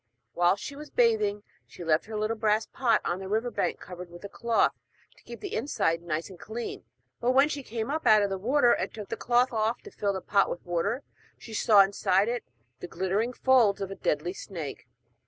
Whilst she was bathing she left her little brass pot on the river bank covered with a cloth, to keep the inside nice and clean; but when she came up out of the river and took the cloth off to fill the pot with water, she saw inside it the glittering folds of a deadly snake.